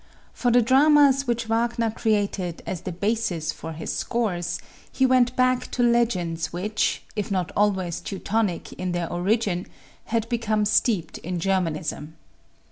For the dramas which Wagner created as the bases for his scores, he went back to legends which, if not always Teutonic in their origin, had become steeped in Germanism.